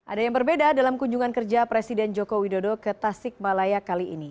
ada yang berbeda dalam kunjungan kerja presiden joko widodo ke tasik malaya kali ini